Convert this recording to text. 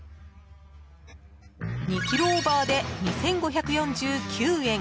２ｋｇオーバーで２５４９円。